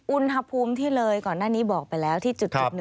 อุณหภูมิที่เลยก่อนหน้านี้บอกไปแล้วที่จุด๑